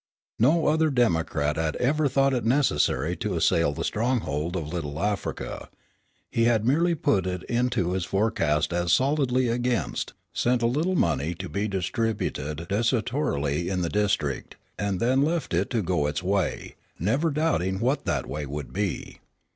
No other Democrat had ever thought it necessary to assail the stronghold of Little Africa. He had merely put it into his forecast as "solidly against," sent a little money to be distributed desultorily in the district, and then left it to go its way, never doubting what that way would be.